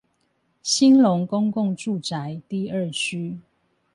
興隆公共住宅 D 二區